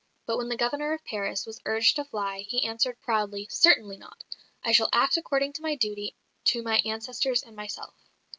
But when the Governor of Paris was urged to fly, he answered proudly, "Certainly not. I shall act according to my duty to my ancestors and myself."